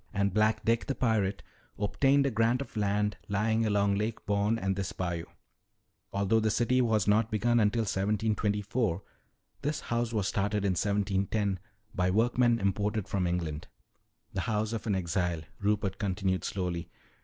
And 'Black Dick,' the pirate, obtained a grant of land lying along Lake Borgne and this bayou. Although the city was not begun until 1724, this house was started in 1710 by workmen imported from England. "The house of an exile," Rupert continued slowly.